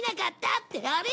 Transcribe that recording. ってあれ？